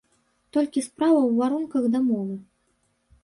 Толькі справа ў варунках дамовы.